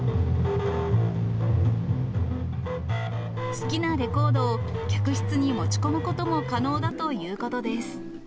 好きなレコードを客室に持ち込むことも可能だということです。